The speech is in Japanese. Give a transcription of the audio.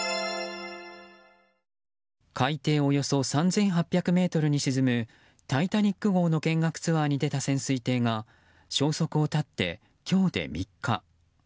海底およそ３８００ｍに沈む「タイタニック号」の見学ツアーに出た潜水艇が消息を絶って今日で３日。